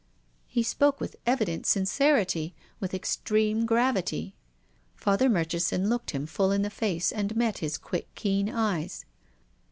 He spoke with evident sincerity, with extreme gravity. Father Murchison looked him full in the face, and met his quick, keen eyes.